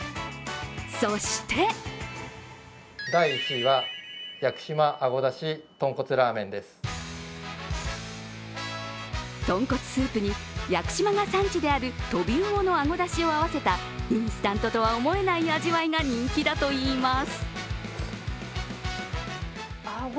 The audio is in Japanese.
そして豚骨スープに屋久島が産地であるトビウオのあごだしを合わせたインスタントとは思えない味わいが人気だといいます。